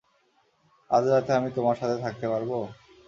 আজ রাতে আমি তোমার সাথে থাকতে পারবো?